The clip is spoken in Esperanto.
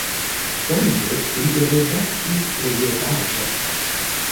Foje li redaktis periodaĵon.